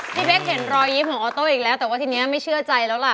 พี่เป๊กเห็นรอยยิ้มของออโต้อีกแล้วแต่ว่าทีนี้ไม่เชื่อใจแล้วล่ะ